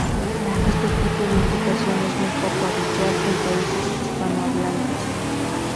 Este tipo de indicación es muy poco habitual en países hispanohablantes.